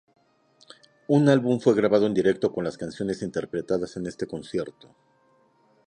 Un álbum fue grabado en directo con las canciones interpretadas en este concierto.